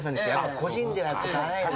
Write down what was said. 個人ではやっぱ買わないよね。